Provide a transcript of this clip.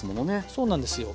そうなんですよ。